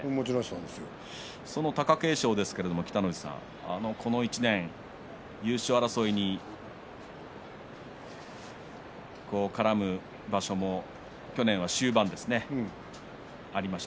その貴景勝ですがこの１年優勝争いに絡む場所も去年は終盤ありました。